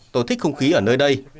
tôi thích không khí ở nơi đây